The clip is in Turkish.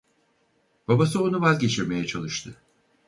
Babası onu vazgeçirmeye çalıştı.